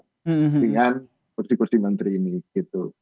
dengan kursi kursi menteri ini gitu